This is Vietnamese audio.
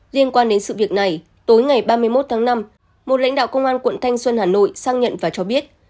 liên quan đến sự việc này tối ngày ba mươi một tháng năm một lãnh đạo công an quận thanh xuân hà nội sang nhận và cho biết